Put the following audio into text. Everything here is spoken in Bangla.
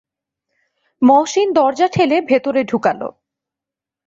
মহসিন দরজা ঠেলে ভেতরে ঢুকাল।